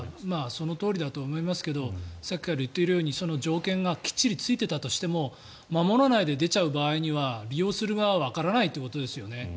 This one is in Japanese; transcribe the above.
そのとおりだと思いますけれどさっきから言っているようにその条件がきっちりついていたとしても守らないで出ちゃう場合は利用する側はわからないということですよね。